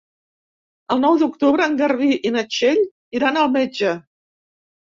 El nou d'octubre en Garbí i na Txell iran al metge.